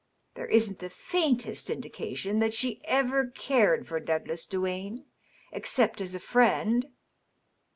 There isn't the faintest indication that she ever cared for Douglas Duane except as a friend."